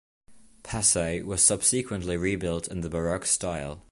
Passau was subsequently rebuilt in the Baroque style.